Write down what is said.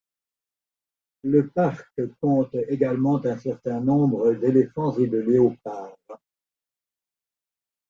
Le parc compte également un certain nombre d'éléphants et de léopards.